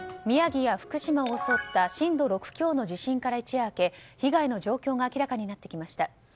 宮城や福島を襲った震度６強の地震から一夜明け被害の状況が明らかになってきました。